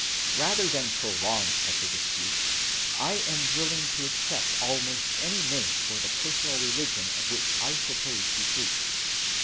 Rather than prolong such a dispute, I am willing to accept almost any name for the personal religion of which I propose to treat.